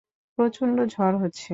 প্রচণ্ড ঝড় হচ্ছে।